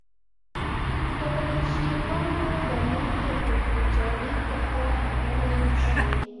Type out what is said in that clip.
د بلشویکانو د موخو او جوړجاړي په اړه خبرې وشوې